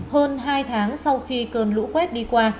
hơn hai tháng sau khi cơn lũ quét đi qua